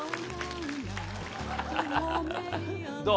どう？